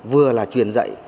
vừa là truyền dạy